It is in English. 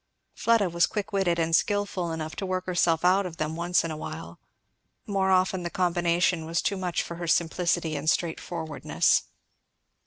Fleda was quick witted and skilful enough to work herself out of them once in a while; more often the combination was too much for her simplicity and straight forwardness.